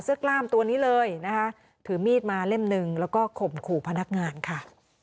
กล้ามตัวนี้เลยนะคะถือมีดมาเล่มหนึ่งแล้วก็ข่มขู่พนักงานค่ะ